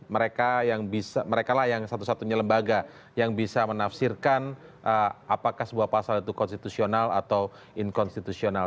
mereka lah yang satu satunya lembaga yang bisa menafsirkan apakah sebuah pasal itu konstitusional atau inkonstitusional